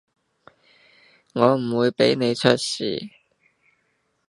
我唔會畀你出事